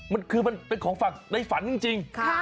มันเป็นของฝากในฝันจริง